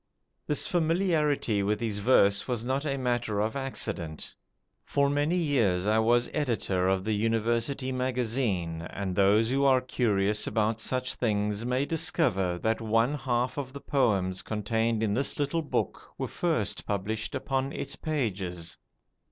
This familiarity with his verse was not a matter of accident. For many years I was editor of the 'University Magazine', and those who are curious about such things may discover that one half of the poems contained in this little book were first published upon its pages.